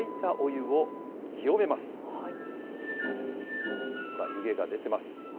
湯気が出てます。